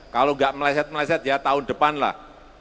kalau nggak meleset meleset ya tahun depan lah